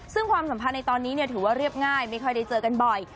ซึ่งความสัมพันธ์ในตอนนี้ถือว่าเรียบง่ายไม่ค่อยได้เจอกันบ่อย